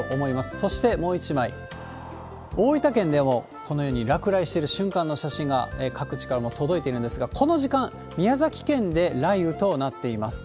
そしてもう一枚、大分県でもこのように落雷してる瞬間の写真が各地から届いているんですが、この時間、宮崎県で雷雨となっています。